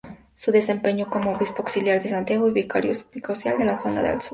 Se desempeñó como obispo auxiliar de Santiago y Vicario Episcopal de la Zona Sur.